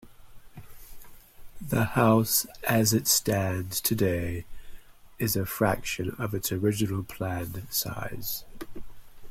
The house as it stands today is a fraction of its original planned size.